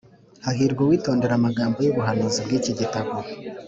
Hahirwa uwitondera amagambo y’ubuhanuzi bw’iki gitabo.”